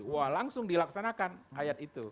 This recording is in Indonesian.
wah langsung dilaksanakan ayat itu